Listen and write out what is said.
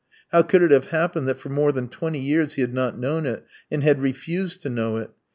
How could it have happened that for more than twenty years he had not known it and had refused to know it?